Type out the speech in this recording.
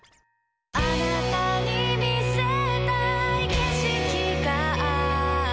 「あなたに見せたい景色がある」